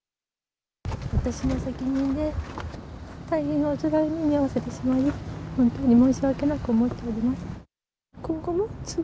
私の責任で大変おつらい目に遭わせてしまい、本当に申し訳なく思っております。